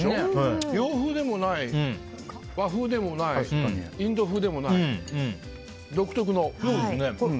洋風でもない、和風でもないインド風でもない、独特の。